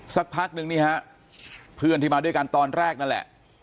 สักพักนึงนี่ฮะเพื่อนที่มาด้วยกันตอนแรกนั่นแหละ